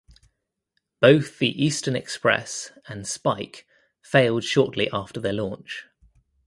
Both the "Eastern Express" and "Spike" failed shortly after their launch.